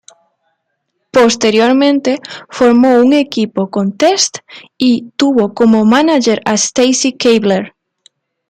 Posteriormente, formó un equipo con Test y tuvo como manager a Stacy Keibler.